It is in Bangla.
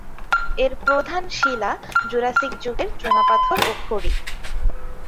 এর প্রধান শিলা জুরাসিক যুগের চুনাপাথর ও খড়ি।